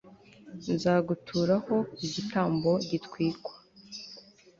nzaguturaho igitambo gitwikwa